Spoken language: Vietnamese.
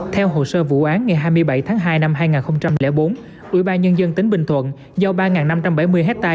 theo hồ sơ vụ án ngày hai mươi bảy tháng hai năm hai nghìn bốn ubnd tỉnh bình thuận giao ba năm trăm bảy mươi hectare